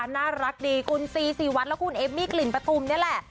น่ารักดีคุณซีซีวัดและคุณเอมมี่กลิ่นปฐุมนี่แหละ